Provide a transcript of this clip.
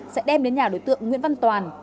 sẽ đem đến nhà đối tượng nguyễn văn toàn